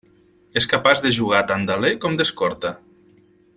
És capaç de jugar tant d'aler com d'escorta.